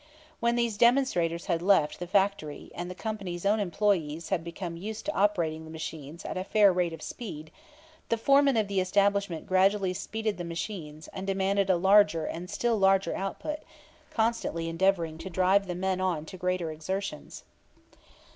When these demonstrators had left the factory, and the company's own employees had become used to operating the machines at a fair rate of speed, the foreman of the establishment gradually speeded the machines and demanded a larger and still larger output, constantly endeavoring to drive the men on to greater exertions.